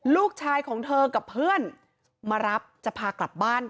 ลูกชายของเธอกับเพื่อนมารับจะพากลับบ้าน